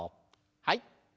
はい。